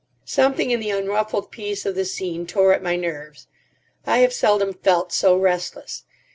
Something in the unruffled peace of the scene tore at my nerves. I have seldom felt so restless.